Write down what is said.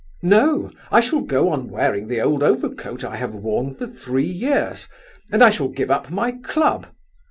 No, I shall go on wearing the old overcoat I have worn for three years, and I shall give up my club.